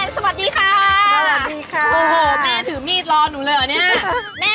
สวัสดีค่ะสวัสดีค่ะโอ้โหแม่ถือมีดรอหนูเลยเหรอเนี่ย